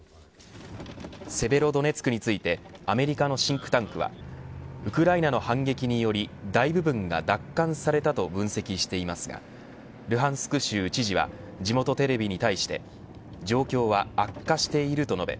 セベロドネツクについてアメリカのシンクタンクはウクライナの反撃により大部分が奪還されたと分析していますがルハンスク州知事は地元テレビに対して状況は悪化していると述べ